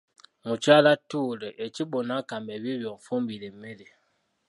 Mukyala tuula ekibbo n’akambe biibyo onfumbire emmere.